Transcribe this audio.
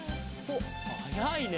はやいね！